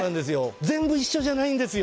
全部一緒じゃないんですよ。